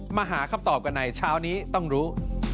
มาหาคำตอบกันในเช้านี้ต้องรู้